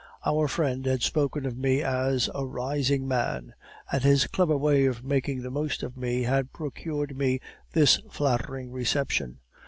Our friend had spoken of me as a rising man, and his clever way of making the most of me had procured me this flattering reception.